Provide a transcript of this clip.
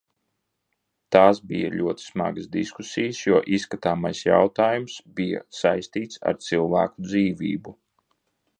Tās bija ļoti smagas diskusijas, jo izskatāmais jautājums bija saistīts ar cilvēku dzīvību.